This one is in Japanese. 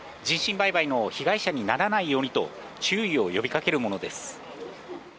人身売買の被害者にならないようにと注意を呼びかけるものです。